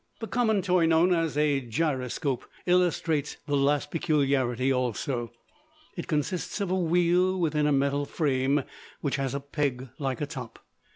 The common toy known as a gyroscope illustrates the last peculiarity also. It consists of a wheel within a metal frame, which has a peg like a top.